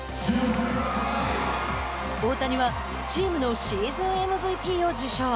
大谷はチームのシーズンＭＶＰを受賞。